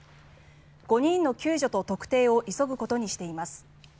５人の救助と特定を急ぐことにしています。